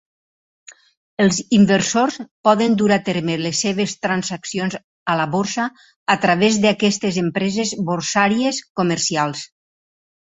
Els inversors poden dur a terme les seves transaccions a la borsa a través d'aquestes empreses borsàries comercials.